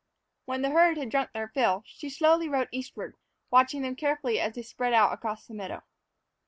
When the herd had drunk their fill, she slowly rode eastward, watching them carefully as they spread out across the meadow.